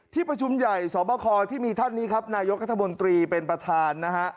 ที่ประชุมใหญ่สอบคอที่มีท่านนี้ครับนายกัธมนตรีเป็นประธานนะฮะ